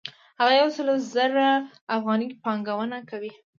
هغه یو سل زره افغانۍ پانګونه کوي